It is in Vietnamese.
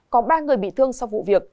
có ba người bị thương sau vụ việc